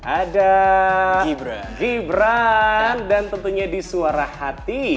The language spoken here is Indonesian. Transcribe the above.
ada gibran dan tentunya di suara hati